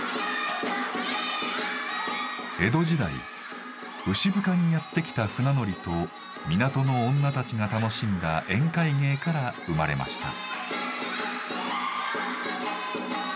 江戸時代牛深にやって来た船乗りと港の女たちが楽しんだ宴会芸から生まれました。